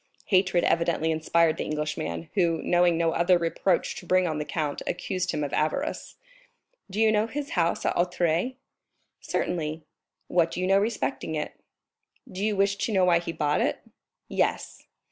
Hatred evidently inspired the Englishman, who, knowing no other reproach to bring on the count, accused him of avarice. "Do you know his house at Auteuil?" "Certainly." "What do you know respecting it?" "Do you wish to know why he bought it?" "Yes."